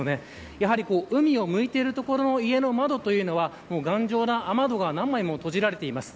やはり海を向いている所の家の窓というのは頑丈な雨戸が何枚も閉じられています。